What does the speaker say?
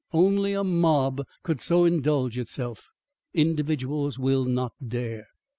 Only a mob could so indulge itself; individuals will not dare."